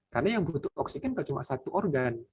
karena yang butuh oksigen kan cuma satu organ